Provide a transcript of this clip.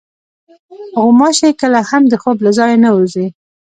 غوماشې کله هم د خوب له ځایه نه وځي.